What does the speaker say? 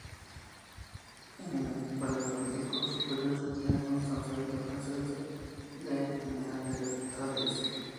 En el Paleolítico Superior se tiene constancia de la presencia de neandertales.